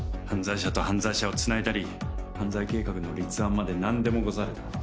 犯罪者と犯罪者をつないだり犯罪計画の立案まで何でもござれだ